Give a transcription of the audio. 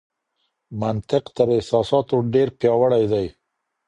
منطق تر احساساتو ډېر پياوړی دی.